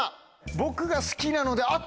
僕が好きなのであっ！